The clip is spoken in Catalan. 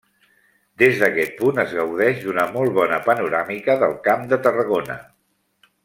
Des d'aquest punt es gaudeix d'una molt bona panoràmica del Camp de Tarragona.